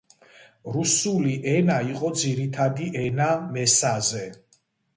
რუსული ენა იყო ძირითადი ენა მესაზე.